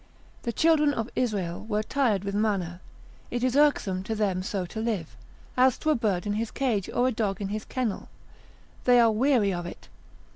The children of Israel were tired with manna, it is irksome to them so to live, as to a bird in his cage, or a dog in his kennel, they are weary of it.